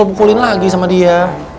saya pukul pukulin lagi sama dia